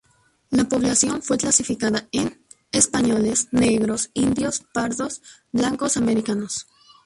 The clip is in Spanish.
La población fue clasificada en: españoles, negros, indios, pardos, blancos americanos.